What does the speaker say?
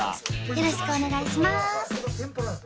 よろしくお願いします